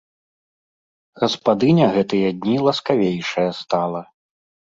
Гаспадыня гэтыя дні ласкавейшая стала.